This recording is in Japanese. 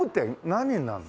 何になるの？